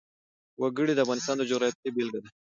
وګړي د افغانستان د جغرافیې بېلګه ده.